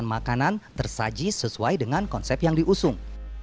untuk memastikan setiap elemen dalam riasan makanan tersaji sesuai dengan konsep yang diusung